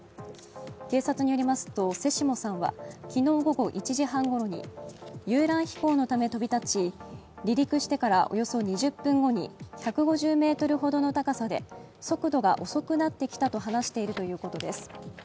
警察によりますと、瀬下さんは昨日午後１時半ごろに遊覧飛行のため飛び立ち、離陸してからおよそ２０分後に１５０ｍほどの高さで速度が遅くなってきたと話しているということです。